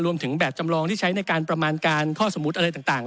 แบบจำลองที่ใช้ในการประมาณการข้อสมมุติอะไรต่าง